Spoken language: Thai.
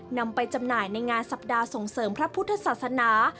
นำไปจำหน่ายในงานสัปดาห์ส่งเสริมพระพุทธศาสนา